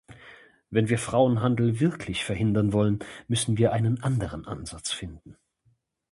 Wenn wir Frauenhandel wirklich verhindern wollen, müssen wir einen anderen Ansatz finden.